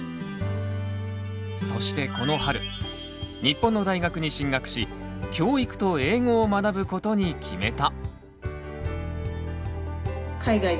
そしてこの春日本の大学に進学し教育と英語を学ぶことに決めた！